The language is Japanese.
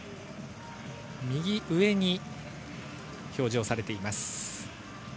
右上に表示されています。